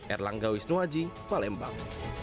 erlangga wisnuwaji palembang